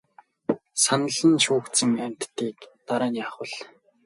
Санал нь шүүгдсэн амьтдыг дараа нь яах бол?